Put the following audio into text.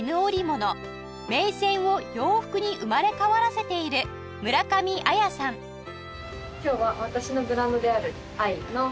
どんな洋服に生まれ変わらせているのかな？